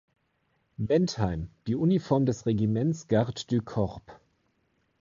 Bentheim die Uniform des Regiments Gardes du Corps.